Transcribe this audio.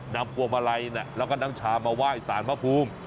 นำหัวมาลัยน่ะแล้วก็นำจามาไหว้สารมหภูมิ